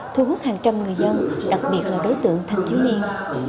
thu hút hàng trăm người dân đặc biệt là đối tượng thành chiếu niên